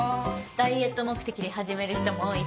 ダイエット目的で始める人も多いしね。